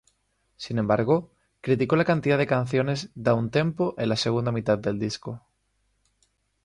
Sin embargo, criticó la cantidad de canciones "downtempo" en la segunda mitad del disco.